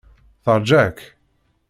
Teṛja-k.